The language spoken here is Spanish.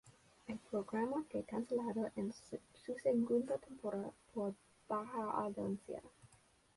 El programa fue cancelado en su segunda temporada por baja audiencia.